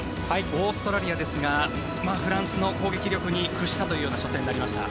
オーストラリアですがフランスの攻撃力に屈したというような初戦になりました。